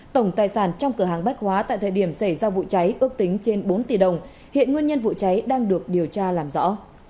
tổng tài sản trong cửa hàng bách hóa tại thời điểm xảy ra vụ cháy ước tính trên bốn tỷ đồng hiện nguyên nhân vụ cháy đang được điều tra làm rõ